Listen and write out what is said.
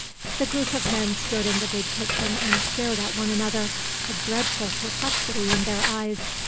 The group of men stood in the big kitchen and stared at one another, a dreadful perplexity in their eyes.